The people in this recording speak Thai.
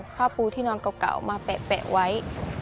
ผ้าปูที่นอนเก่ามาแปะไว้